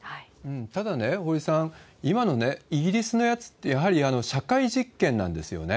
ただね、堀さん、今のイギリスのやつって、やはり社会実験なんですよね。